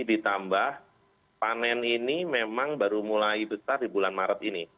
ditambah panen ini memang baru mulai besar di bulan maret ini